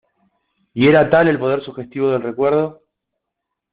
y era tal el poder sugestivo del recuerdo